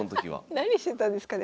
何してたんですかね